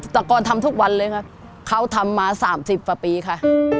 ตะกอนทำทุกวันเลยค่ะเขาทำมาสามสิบปะปีค่ะ